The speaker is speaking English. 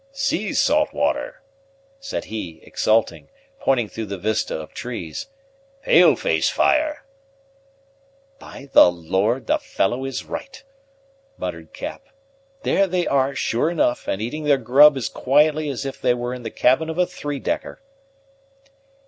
"See, Saltwater," said he exulting, pointing through the vista of trees; "pale face fire!" "By the Lord, the fellow is right!" muttered Cap; "there they are, sure enough, and eating their grub as quietly as if they were in the cabin of a three decker."